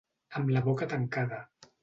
Amb la boca tancada.